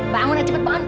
bangun ya cepet banget